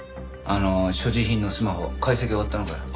あの所持品のスマホ解析終わったのか？